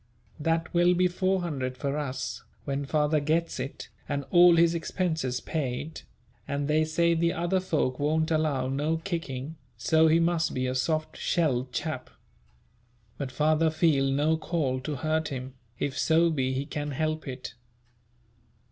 That will be 400*l.* for us, when father gets it, and all his expenses paid, and they say the other folk won't allow no kicking, so he must be a soft shelled chap; but father feel no call to hurt him, if so be he can help it.